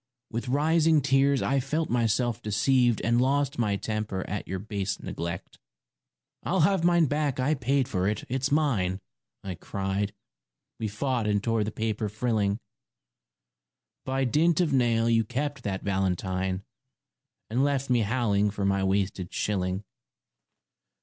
With rising tears I felt myself deceived And lost my temper at your base neglect. " I'll have mine back I paid for it it's mine !" I cried. We fought and tore the paper frilling. By dint of nail you kept that valentine, And left me howling for my wasted shilling.